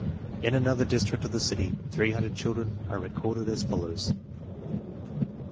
In another district of the city, 300 children are re corded as follows: 1.